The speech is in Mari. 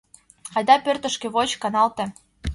— Айда пӧртышкӧ, воч, каналте.